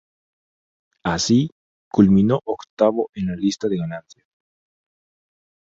Así, culminó octavo en la lista de ganancias.